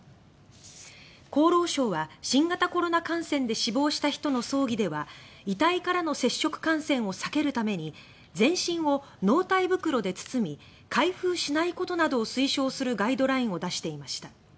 厚労省は新型コロナ感染で死亡した人の葬儀では遺体からの接触感染を避けるために全身を納体袋で包み開封しないことなどを推奨するガイドラインを出していました。